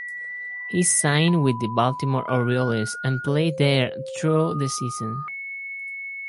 He signed with the Baltimore Orioles and played there through the season.